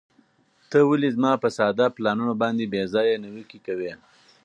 ته ولې زما په ساده پلانونو باندې بې ځایه نیوکې کوې؟